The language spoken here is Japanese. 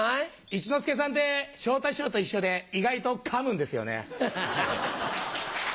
一之輔さんって昇太師匠と一緒で意外とかむんですよね。